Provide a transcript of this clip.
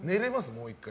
もう１回。